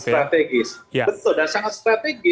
betul dan sangat strategis